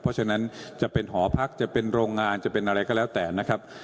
เพราะฉะนั้นจะเป็นหอพักจะเป็นโรงงานจะเป็นอะไรก็แล้วแต่นะครับ